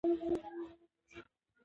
ډيپلومات د نړیوالو پروژو لپاره مرسته کوي.